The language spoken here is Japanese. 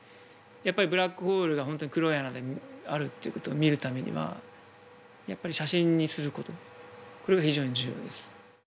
やっぱりブラックホールが本当に黒い穴であるっていうことを見るためにはやっぱり写真にすることこれが非常に重要です。